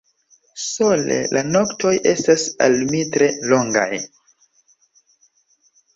Sole la noktoj estas al mi tre longaj.